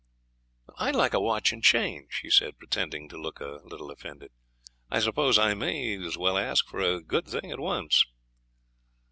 'I'd like a watch and chain,' she said, pretending to look a little offended. 'I suppose I may as well ask for a good thing at once.'